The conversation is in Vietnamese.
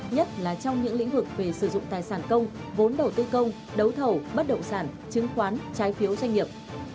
nhất là trong những lĩnh vực về sử dụng tài sản công vốn đầu tư công đấu thầu bất động sản chứng khoán trái phiếu doanh nghiệp